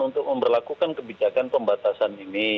untuk memperlakukan kebijakan pembatasan ini